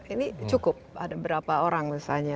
ini cukup ada berapa orang misalnya